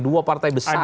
dua partai besar